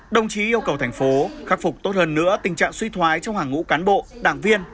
đồng chí yêu cầu thành phố khắc phục tốt hơn nữa tình trạng suy thoái trong hàng ngũ cán bộ đảng viên